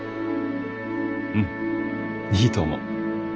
うんいいと思う。